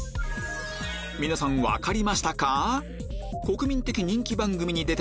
皆さん分かりましたか？